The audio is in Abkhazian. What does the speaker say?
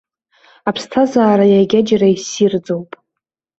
Аԥсҭазаара иагаџьара иссирӡоуп.